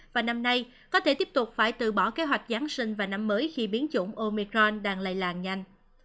và năm nay có thể tiếp tục phải từ bỏ kế hoạch giáng sinh và năm mới khi biến chủng omecron đang lây lan nhanh